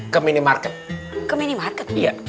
ke minimarket ke minimarket dia